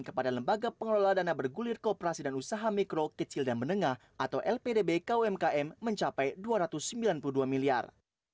kepada lembaga pengelola dana bergulir kooperasi dan usaha mikro kecil dan menengah atau lpdb kumkm mencapai rp dua ratus sembilan puluh dua miliar